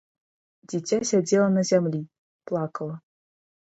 Дзіця сядзела на зямлі, плакала.